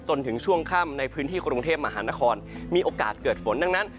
จนถึงช่วงค่ำในพื้นที่กรุงเทพมหานครมีโอกาสเกิดฝนดังนั้น